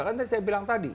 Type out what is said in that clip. kan tadi saya bilang tadi